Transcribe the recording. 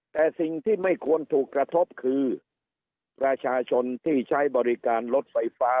แต่สิ่งที่ไม่ควรถูกกระทบคือประชาชนที่ใช้บริการรถไฟฟ้า